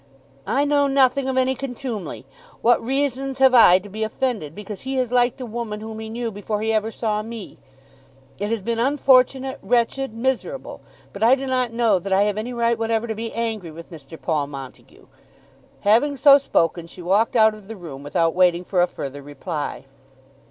"I know nothing of any contumely. What reason have I to be offended because he has liked a woman whom he knew before he ever saw me? It has been unfortunate, wretched, miserable; but I do not know that I have any right whatever to be angry with Mr. Paul Montague." Having so spoken she walked out of the room without waiting for a further reply.